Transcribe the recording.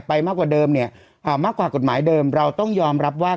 มากกว่าเดิมเนี่ยมากกว่ากฎหมายเดิมเราต้องยอมรับว่า